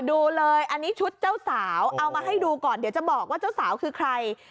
ดูเลยอันนี้ชุดเจ้าสาวเอามาให้ดูก่อนเดี๋ยวจะบอกว่าเจ้าสาวคือใคร